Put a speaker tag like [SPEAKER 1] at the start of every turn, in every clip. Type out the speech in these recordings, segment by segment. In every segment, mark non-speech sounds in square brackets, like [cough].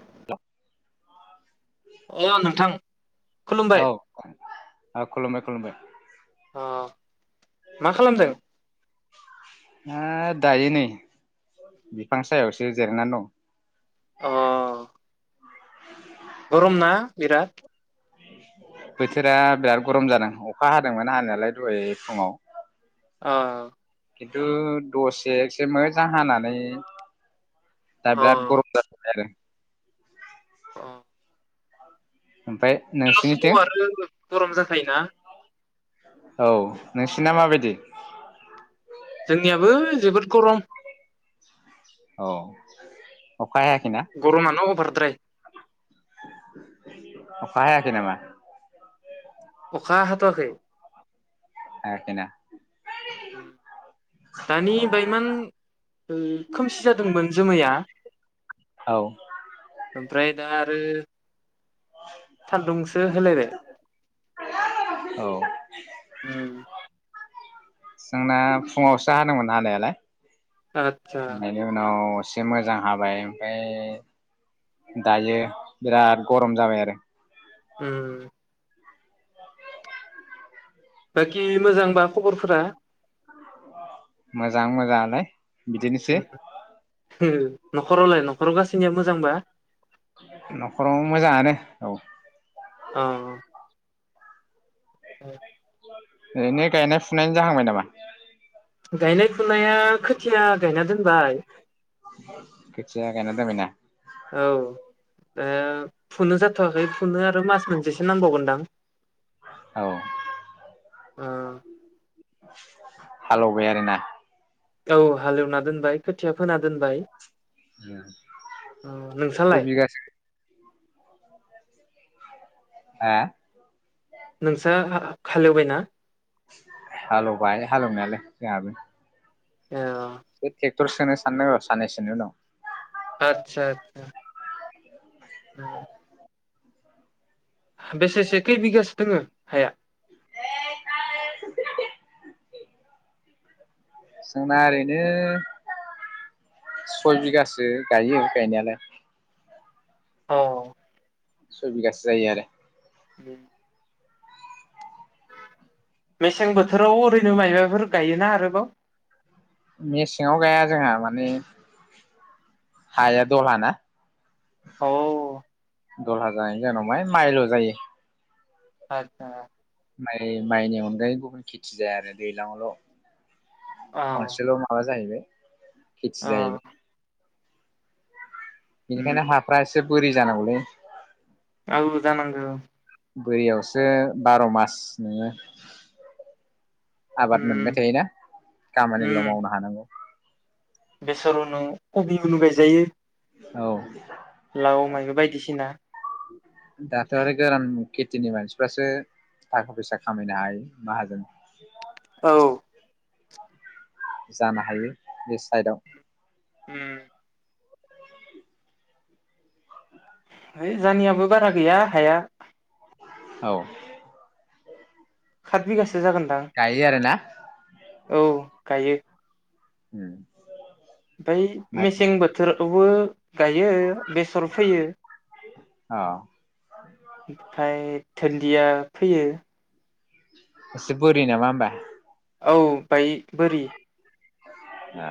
[SPEAKER 1] [unintelligible]
[SPEAKER 2] अ नोंथां
[SPEAKER 1] औ
[SPEAKER 2] खुलुमबाय
[SPEAKER 1] औ खुलुमबाय खुलुमबाय
[SPEAKER 2] अह मा खालामदों?
[SPEAKER 1] हा दायो नै बिफां सायावसो जेरायनानै दं।
[SPEAKER 2] अह
[SPEAKER 1] औ
[SPEAKER 2] गरम ना बिराद
[SPEAKER 1] बोथोरा बिराद गरम जादों अखा हादोंमोन हानायालाय दहाय फुङाव
[SPEAKER 2] अह
[SPEAKER 1] खिन्थु दसे इसे मोजां हानानै दा
[SPEAKER 2] अ
[SPEAKER 1] बिराद गरम जाबोबाय आरो
[SPEAKER 2] अह
[SPEAKER 1] ओमफ्राय नोंसिनिथिं
[SPEAKER 2] [unintelligible] गरम जाखायोना?
[SPEAKER 1] औ नोंसिना माबायदि?
[SPEAKER 2] जोंनियाबो जोबोद गर'म।
[SPEAKER 1] औ अ।
[SPEAKER 2] गर'मानो अभारद्राय।
[SPEAKER 1] अखा हायाखै नामा?
[SPEAKER 2] अखा हाथ'वाखै।
[SPEAKER 1] हायाखै ना?
[SPEAKER 2] उम दानि बायमान ओ खोमसि जादोंमोन जोमैआ
[SPEAKER 1] औ
[SPEAKER 2] ओमफ्राय दा आरो सान्दुंसो होलायबाय।
[SPEAKER 1] औ
[SPEAKER 2] उम।
[SPEAKER 1] जोंना फुङावसो हादोंमोन हानायालाय।
[SPEAKER 2] आतसा
[SPEAKER 1] बेनि उनाव एसे मोजां हाबाय ओमफ्राय दायो बिराद गर'म जाबाय आरो।
[SPEAKER 2] उम। बाखि मोजांबा खबरफोरा?
[SPEAKER 1] मोजां मोजां आलाय।
[SPEAKER 2] उम [unintelligible] न'खरावलाय न'खराव गासैनियाबो मोजांबा?
[SPEAKER 1] न'खराव मोजाङानो औ।
[SPEAKER 2] अ। [unintelligible]
[SPEAKER 1] ओरैनो गायनाय फुनायनि जाहांबाय नामा?
[SPEAKER 2] गायनाय फुनाया खोथिया गायना दोनबाय।
[SPEAKER 1] खोथिया गायना दोनबाय ना?
[SPEAKER 2] औ दा फुनो जाथ'वाखै फुनो आरो मास मोनसेसो नांबावगोनदां।
[SPEAKER 1] औ।
[SPEAKER 2] ओ
[SPEAKER 1] हालेवबाय आरोना?
[SPEAKER 2] औ हालेवना दोनबाय खोथिया फोना दोनबाय।
[SPEAKER 1] होम
[SPEAKER 2] औ नोंसालाय
[SPEAKER 1] खैबिगासो? ओ?
[SPEAKER 2] नोंसो हा हालेवबायना?
[SPEAKER 1] हालौबाय हालौनायालाय जोंहाबो।
[SPEAKER 2] अ
[SPEAKER 1] [unintelligible] तर सोनो सानदों र' सानैनसोनि उनाव।
[SPEAKER 2] आत्सा आत्सा। उम। बेसेसो खै बिगासो दोङो हाया?
[SPEAKER 1] जोंना ओरैनो सय बिगासो गायो गायनायालाय।
[SPEAKER 2] औ।
[SPEAKER 1] सयबिगासो जायो आरो।
[SPEAKER 2] दे। मेसें बोथोराव ओरैनो मायबाफोर गायोना आरोबाव?
[SPEAKER 1] मेसेङाव गाया जोंहा माने हाया दलहा ना।
[SPEAKER 2] औ।
[SPEAKER 1] दलहाजानायनि जाउनाव माइल' जायो।
[SPEAKER 2] आतसा।
[SPEAKER 1] माइ माइनि अनगायै गुबुन खेथि जाया आरो दैलांआवल'
[SPEAKER 2] औ
[SPEAKER 1] खनसेल माबा जाहैबाय। खिथि
[SPEAKER 2] औ
[SPEAKER 1] जाहैबाय।
[SPEAKER 2] उम
[SPEAKER 1] बेनिखायनो हाफ्रा एसे बोरि जानांगौलै।
[SPEAKER 2] औ जानांगौ।
[SPEAKER 1] बोरियावसो बार' मास नोङो। आबाद
[SPEAKER 2] उम
[SPEAKER 1] मोनबाय थायोना खामानिल' मावनो हानांगौ।
[SPEAKER 2] बेसराव नों कबियाव लुबागायजायो
[SPEAKER 1] औ।
[SPEAKER 2] लाव मायबो बायदिसिना।
[SPEAKER 1] दाथ' आरो गोरान खेथिनि मानसिफ्रासो थाखा फैसा खामायनो हायो माहाजोन।
[SPEAKER 2] औ।
[SPEAKER 1] जानो हायो बे साइडआव।
[SPEAKER 2] उम। हैइ जानियाबो बारा गैया हाया।
[SPEAKER 1] औ।
[SPEAKER 2] सात बिगासो जागोनदां
[SPEAKER 1] गायो आरो ना?
[SPEAKER 2] औ गायो।
[SPEAKER 1] उम।
[SPEAKER 2] ओमफाय मेसें बोथोर। खौबो गायो बेसर फैयो।
[SPEAKER 1] औ।
[SPEAKER 2] ओमफ्राय धोनदिया फैयो।
[SPEAKER 1] एसे बोरि नामा होनबा?
[SPEAKER 2] औ बाय बोरि।
[SPEAKER 1] ओ।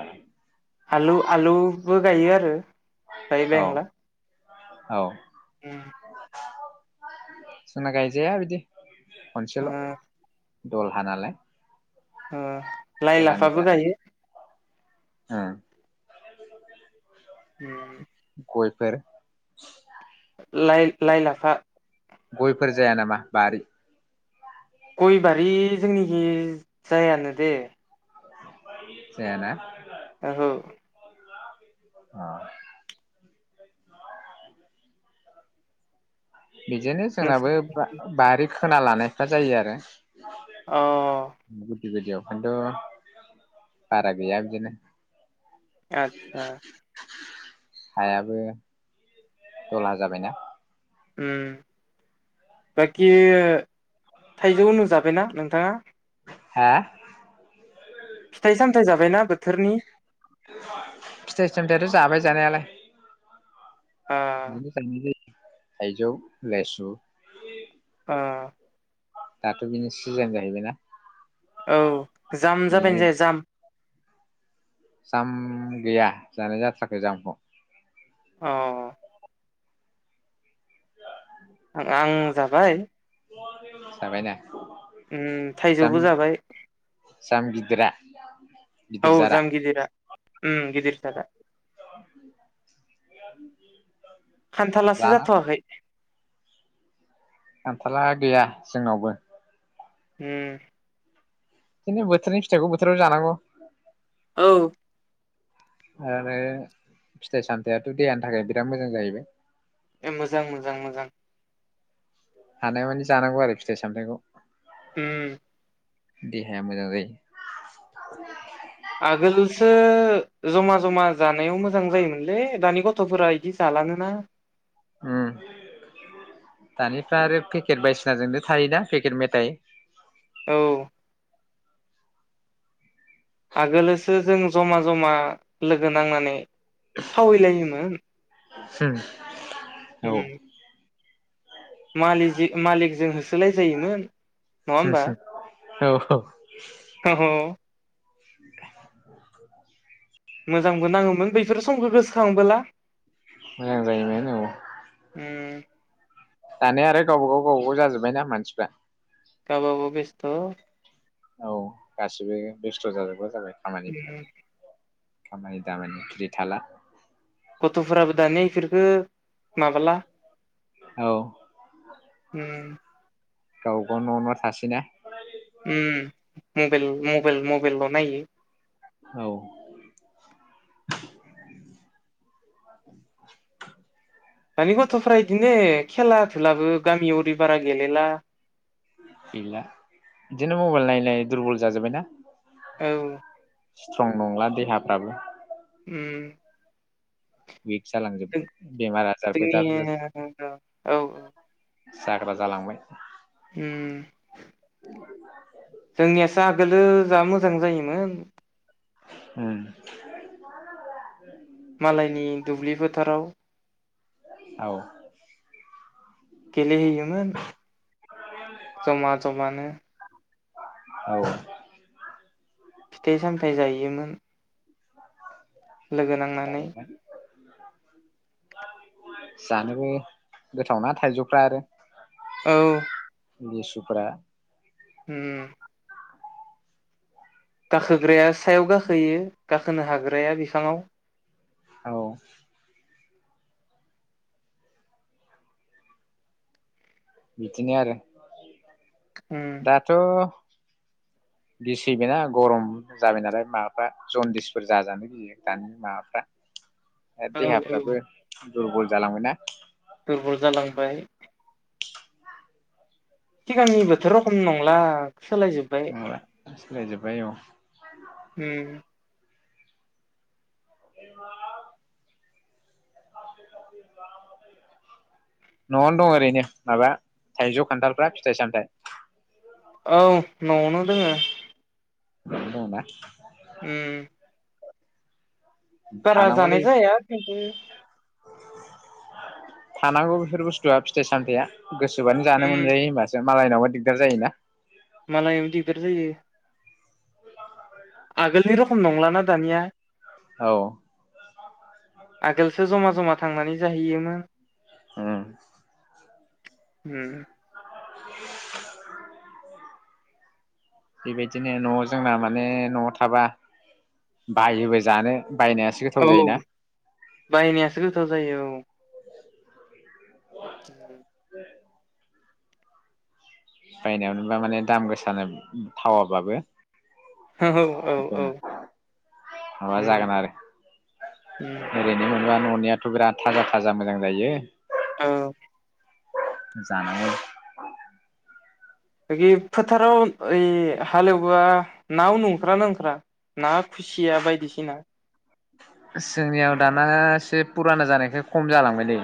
[SPEAKER 2] आलु आलु बो गायो आरो।
[SPEAKER 1] औ
[SPEAKER 2] बायबांला
[SPEAKER 1] औ
[SPEAKER 2] उम
[SPEAKER 1] जोंना गायजाया बिदि खनसेल' द'लहा नालाय
[SPEAKER 2] उम लाइ लाफाबो गायो।
[SPEAKER 1] उम
[SPEAKER 2] उम
[SPEAKER 1] गयफोर
[SPEAKER 2] लाइ लाइ लाफा
[SPEAKER 1] गयफोर जाया नामा बारि
[SPEAKER 2] गयबारि जोंनिखै जायानो दे।
[SPEAKER 1] जायाना
[SPEAKER 2] ओहो
[SPEAKER 1] ओ बिदिनो
[SPEAKER 2] नोंसि
[SPEAKER 1] जोंनाबो बारि खोना लानाय दा जायो आरो
[SPEAKER 2] औ
[SPEAKER 1] गुदि गुदियाव खायनोथ' बारा गैया बिदिनो
[SPEAKER 2] आतदा
[SPEAKER 1] हायाबो दला जाबायना
[SPEAKER 2] उम बाखिओ थाइजौ उनु जाबायना नोंथाङा?
[SPEAKER 1] हा
[SPEAKER 2] फिथाइ सामथाय जाबायना बोथोरनि
[SPEAKER 1] फिथाइ सामथायाथ' जाबाय जानायालाय
[SPEAKER 2] ओ
[SPEAKER 1] बिदिनो जानाय जायो। थायजै लेसु
[SPEAKER 2] ओ
[SPEAKER 1] दाथ' बिनि सिजेन जाहैबायना
[SPEAKER 2] औ जाम जाबाय
[SPEAKER 1] बिनिनो
[SPEAKER 2] ना जाया जाम
[SPEAKER 1] जाम गैया जानाय जाथ्राखौै जाम खौ
[SPEAKER 2] अ आं आं जाबाय।
[SPEAKER 1] जाबायना
[SPEAKER 2] ओम
[SPEAKER 1] जाम
[SPEAKER 2] थाइजौबो जाबाय।
[SPEAKER 1] जाम गिदिरा
[SPEAKER 2] औ
[SPEAKER 1] गिदिर जारा
[SPEAKER 2] जाम गिदिरा ओम गिदिर जादा
[SPEAKER 1] [unintelligible]
[SPEAKER 2] खान्थालासो
[SPEAKER 1] जाना
[SPEAKER 2] जाथ'वाखै
[SPEAKER 1] थाला गैया जोंनावबो
[SPEAKER 2] उम
[SPEAKER 1] बिदिनो बोथोरनि फिथाइखौ बोथोराव जानांगौ
[SPEAKER 2] औ
[SPEAKER 1] आरो फिथाइ सामथायाथ' देहानि थाखाय बिराद मोजां जाहैबाय।
[SPEAKER 2] ए मोजां मोजां मोजां
[SPEAKER 1] हानाय मानि जानांगौ आरो फिथाइ सामथाइखौ
[SPEAKER 2] उम
[SPEAKER 1] देहाया मोजां जायो
[SPEAKER 2] आगोलसो जमा जमा जानायाव मोजां जायोमोनलै दानि गथ'फोरा इदि जाालानोना
[SPEAKER 1] उम दानिफ्रा आरो पेकेट बायसिनाजोंनो थायोना पेकेट मेथाइ
[SPEAKER 2] औ आगोलोसो जों जमा जमा लोगो नांनानै खावहैलायोमोन
[SPEAKER 1] औ
[SPEAKER 2] उम मालिजो मालिकजों होसो लायजायोमोन नङा होमबा
[SPEAKER 1] औ
[SPEAKER 2] [unintelligible] औ
[SPEAKER 1] [inaudible]
[SPEAKER 2] मोजांबो नाङोमोन बैफोरो समखौ गोसोखांबोला
[SPEAKER 1] मोजां जायोमोन औ
[SPEAKER 2] गावबागाव
[SPEAKER 1] दानिया आरो गावबागाव गावबागाव जाजोब्बायना मानसिफ्रा।
[SPEAKER 2] गाबागाव बेसथ'
[SPEAKER 1] औ गासिबो बेस्थ' जाजोबग्रा जाबाय खामानिफ्रा
[SPEAKER 2] उम
[SPEAKER 1] खामानि दामानि फ्रि थाला।
[SPEAKER 2] गथ'फोराबो दानिया इफोरखो माबाला
[SPEAKER 1] औ
[SPEAKER 2] उम
[SPEAKER 1] गाव गाव न' न' थासैना
[SPEAKER 2] उम मबेल मबेल मबेलल' नायो
[SPEAKER 1] औ
[SPEAKER 2] दानि गथ'फ्रा इदिनो खेला दुलाबो गामियाव ओरै बारा गेलेला।
[SPEAKER 1] गैला इदिनो मबेल नायै नायै दुरबल जाजोब्बायना
[SPEAKER 2] औ
[SPEAKER 1] स्ट्रं नंला देहाफ्राबो
[SPEAKER 2] उम
[SPEAKER 1] बिदि जालांजोब्बाय बेमार आजारबो
[SPEAKER 2] जोंनि
[SPEAKER 1] जाबजो
[SPEAKER 2] औ औ
[SPEAKER 1] जाग्रा जालांबाय।
[SPEAKER 2] होम जोंनियासो आगोलो जा मोजां जायोमोन।
[SPEAKER 1] उम
[SPEAKER 2] मालायनि दुब्लि फोथाराव
[SPEAKER 1] औ
[SPEAKER 2] गेलेहैयोमोन जमा जमानो।
[SPEAKER 1] औ
[SPEAKER 2] फिथाइ सामथाइ जायोमोन। लोगो नांनानै
[SPEAKER 1] जायोमोन [inaudible] जानोबो गोथावना थाइजौफ्रा आरो
[SPEAKER 2] औ
[SPEAKER 1] लेसुफ्रा
[SPEAKER 2] ओम गाखोग्राया सायाव गाखोयो गाखोनो हाग्राया बिफाङाव
[SPEAKER 1] औ बिदिनो आरो
[SPEAKER 2] उम
[SPEAKER 1] [inaudible] दाथ' गिसैबोना गरम जाबाय नालाय माबाफ्रा जन्दिसफोर जाजानो गैयो दानि माबाफ्रा
[SPEAKER 2] औ औ
[SPEAKER 1] देहाफ्राबो दुरबल जालांबाय ना
[SPEAKER 2] दुरबल जालांबाय सिगांनि बोथोर रखम नंला सोलायजोबबाय।
[SPEAKER 1] सोलायजोबबाय औ।
[SPEAKER 2] ओम
[SPEAKER 1] [inaudible] न'आवनो दं ओरैनो माबा थाइजौ खान्थालफ्रा फिथाइ सामथाइ
[SPEAKER 2] औ न'आवनो दोङो।
[SPEAKER 1] नङावनो दंना?
[SPEAKER 2] उम बारा जानाय
[SPEAKER 1] थानांगौलै
[SPEAKER 2] जाया बिबो
[SPEAKER 1] थानांगौ बेफोर बुस्थुआ फिथाइ सामथाइया गोसोबानो जानो
[SPEAKER 2] उम
[SPEAKER 1] मोनजायो होमबासो मालायनावबा दिगदार जायोना
[SPEAKER 2] मिलायनाव दिगदार जायो। आगोलनि रखम नंलाना दानिया
[SPEAKER 1] औ
[SPEAKER 2] आगोलसो जमा जमा थांनानै जाहैयोमोन
[SPEAKER 1] ओम
[SPEAKER 2] ओम
[SPEAKER 1] बेबायदिनो न' जोंना माने न'आव थाबा बायोबो जानो बायनायासो गोथाव
[SPEAKER 2] औ
[SPEAKER 1] जायोना
[SPEAKER 2] बायनायासो गोथाव जायो औ औ
[SPEAKER 1] बायनायावबा माने दाम गोसा होनो गोनां जायो
[SPEAKER 2] औ औ
[SPEAKER 1] थावाबाबो
[SPEAKER 2] औ
[SPEAKER 1] [inaudible] माबा
[SPEAKER 2] उम
[SPEAKER 1] जागोन आरो
[SPEAKER 2] उम
[SPEAKER 1] ओरैनो जेनेबा ननियाथ बिराद थाजा थाजा मोजां जायो।
[SPEAKER 2] औ
[SPEAKER 1] जानो
[SPEAKER 2] बै फोथाराव ओइ हालेवबा ना उनु ओंखारो ना ओंखारा ना खुसिया बायदिसिना
[SPEAKER 1] जोंनियाव दाना एसे फुराना जानायखाय खम जालांबायलै।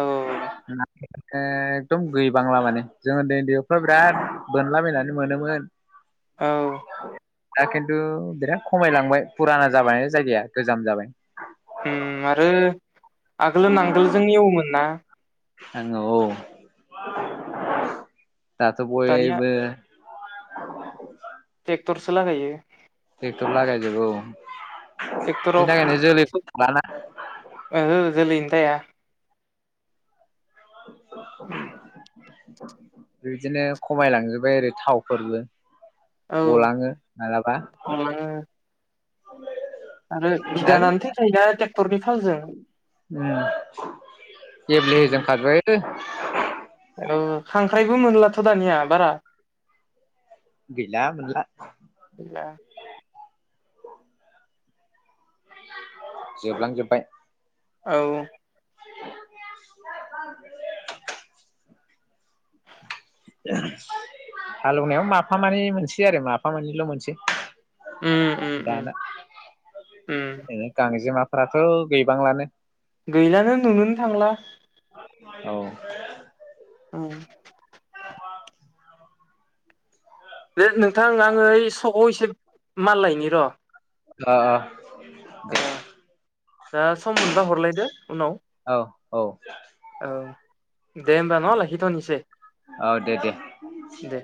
[SPEAKER 2] औ
[SPEAKER 1] ना। एकदम गैबांला माने जों उन्दै उन्दैफ्रा बिराद बोनलाबायनानै मोनोमोन।
[SPEAKER 2] औ।
[SPEAKER 1] दा खिन्थु बिराद खमायलांबाय फुराना जाबाय जायगाया गोजाम जाबाय।
[SPEAKER 2] उम आरो। आगोल नांगोलजों एवोमोन ना।
[SPEAKER 1] जोङो औ। दाथ
[SPEAKER 2] दानिया
[SPEAKER 1] बयबो [unintelligible]
[SPEAKER 2] ट्रेकटरसो लागायो।
[SPEAKER 1] ट्रेकटर लागायजोबो औ। बेनि
[SPEAKER 2] टेक्टराव [unintelligible]
[SPEAKER 1] थाखायनो जोलै लाना
[SPEAKER 2] ओहो। जोलैनो थाया।
[SPEAKER 1] औ।
[SPEAKER 2] उम।
[SPEAKER 1] बिदिनो खमायलांजोबबाय आरो थावफोरजों
[SPEAKER 2] औ
[SPEAKER 1] गलाङो मालाबा।
[SPEAKER 2] गलाङो आरो
[SPEAKER 1] आरो
[SPEAKER 2] बिदानानो थैखायो ना क्टरनि फालजों।
[SPEAKER 1] उम। गेब्ले होजोब
[SPEAKER 2] उम
[SPEAKER 1] खाद्रायोलै। [inaudible]
[SPEAKER 2] औ खांख्राइबो मोनलाथ दानिया बारा।
[SPEAKER 1] गैला मोनला। जोबलांजोबबाय।
[SPEAKER 2] औ।
[SPEAKER 1] [inaudible] हालएवनायाव माफा मानैल मोनसेै आरो माफा मानैल' मोनसेै।
[SPEAKER 2] उम उम उम
[SPEAKER 1] दाना
[SPEAKER 2] उम
[SPEAKER 1] गांजेमा फ्राथ गैबांलानो।
[SPEAKER 2] गैलानो नुनोनो थांला।
[SPEAKER 1] औ।
[SPEAKER 2] उम। बे नोंथां आङो एइ सखआव एसे माल लायनि र'।
[SPEAKER 1] अ अ।
[SPEAKER 2] ओ
[SPEAKER 1] दे।
[SPEAKER 2] दा सम मोनबा हरलायदो उनाव
[SPEAKER 1] औ औ
[SPEAKER 2] औ दे होनोमबा न लाखिथ'निसे
[SPEAKER 1] औ दे दे
[SPEAKER 2] दे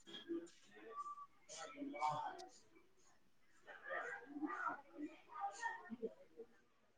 [SPEAKER 1] [unintelligible]